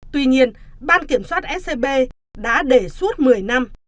tuy nhiên ban kiểm soát scb đã đề suốt một mươi năm